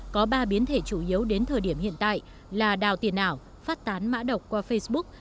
có ba biến thể chủ yếu đến thời điểm hiện tại là đào tiền ảo phát tán mã độc qua facebook